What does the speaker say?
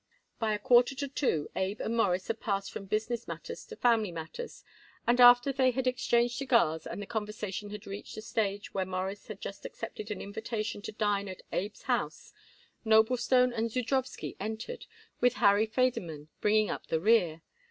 By a quarter to two Abe and Morris had passed from business matters to family affairs, and after they had exchanged cigars and the conversation had reached a stage where Morris had just accepted an invitation to dine at Abe's house, Noblestone and Zudrowsky entered, with Harry Federmann bringing up in the rear.